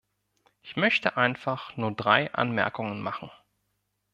Ich möchte einfach nur drei Anmerkungen machen.